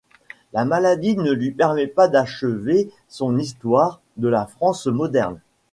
La maladie ne lui permet pas d'achever son histoire de la France moderne.